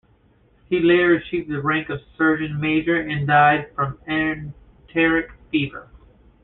He later achieved the rank of surgeon major and died from enteric fever.